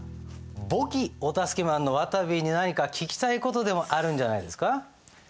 簿記お助けマンのわたびに何か聞きたい事でもあるんじゃないですか？